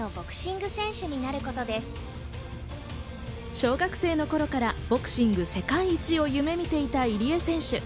小学生の頃からボクシング世界一を夢見ていた入江選手。